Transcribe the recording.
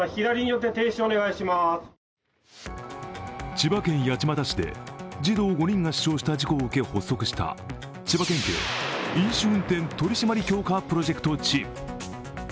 千葉県八街市で児童５人が死傷した事故を受け発足した千葉県警飲酒運転取締り強化プロジェクトチーム。